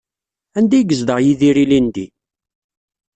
Anda ay yezdeɣ Yidir ilindi?